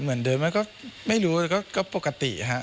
เหมือนเดินมาก็ไม่รู้แต่ก็ปกติค่ะ